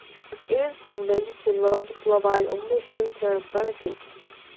Even some resistive loads provide only short-term benefits.